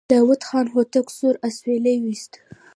داوود خان هوتک سوړ اسويلی وايست.